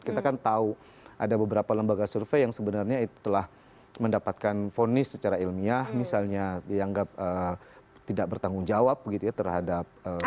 kita kan tahu ada beberapa lembaga survei yang sebenarnya itu telah mendapatkan ponis secara ilmiah misalnya dianggap tidak bertanggung jawab gitu ya terhadap